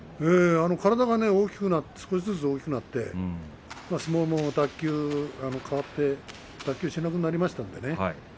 体が少しずつ大きくなって相撲も変わって脱臼しなくなりましたのでね